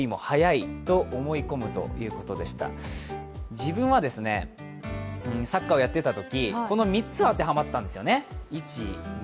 自分はサッカーをやっていたときこの３つは当てはまったんですね。